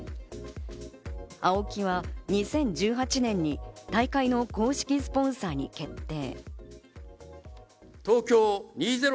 ＡＯＫＩは２０１８年に大会の公式スポンサーに決定。